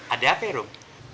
ada apa ya ruhm